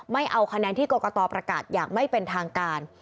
ไม่เอาคะแนนที่กรกตประกาศอย่างไม่เป็นทางการ